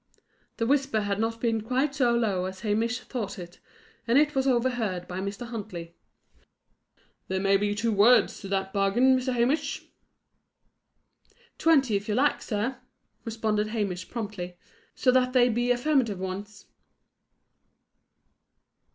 The whisper had not been quite so low as Hamish thought it, and it was overheard by Mr. Huntley. "There may be two words to that bargain, Mr. Hamish." "Twenty, if you like, sir," responded Hamish, promptly, "so that they be affirmative ones."